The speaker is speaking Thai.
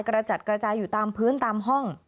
กระจัดกระจายอยู่ตามพื้นตามห้อง